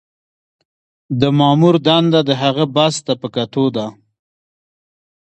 د مامور دنده د هغه بست ته په کتو ده.